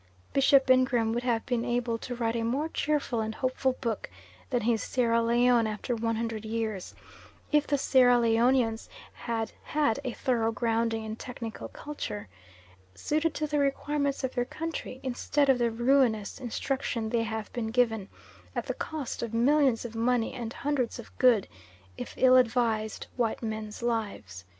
Bishop Ingram would have been able to write a more cheerful and hopeful book than his Sierra Leone after 100 Years, if the Sierra Leonians had had a thorough grounding in technical culture, suited to the requirements of their country, instead of the ruinous instruction they have been given, at the cost of millions of money, and hundreds of good, if ill advised, white men's lives.